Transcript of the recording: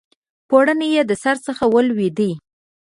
پوړنی یې د سر څخه ولوېدی